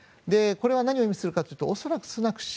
これは何を意味するかというと恐らく、スナク氏